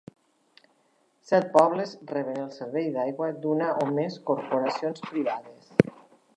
Set pobles reben el servei d'aigua d'una o més corporacions privades.